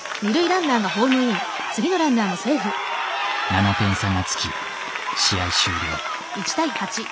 ７点差がつき試合終了。